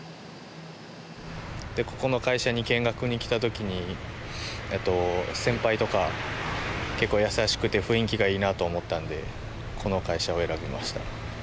ここの会社に見学に来たときに先輩とか結構優しくて雰囲気がいいなと思ったんでこの会社を選びました。